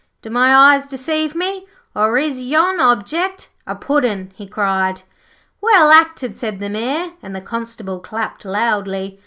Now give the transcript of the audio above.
'Do my eyes deceive me, or is yon object a Puddin'?' he cried. 'Well acted,' said the Mayor, and the Constable clapped loudly.